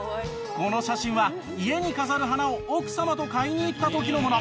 この写真は家に飾る花を奥様と買いに行った時のもの。